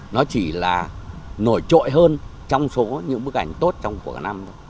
nó chỉ là nổi trội hơn trong số những bức ảnh tốt trong cuộc năm thôi